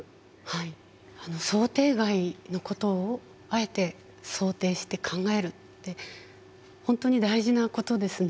想定外のことをあえて想定して考えるって本当に大事なことですね。